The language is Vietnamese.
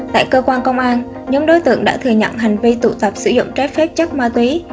tại cơ quan công an nhóm đối tượng đã thừa nhận hành vi tụ tập sử dụng trái phép chất ma túy